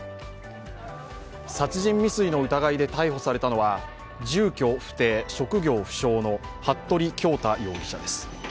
殺人未遂の疑いで逮捕されたのは住居不定・職業不詳の服部恭太容疑者です。